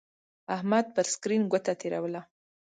احمد پر سکرین گوته تېروله.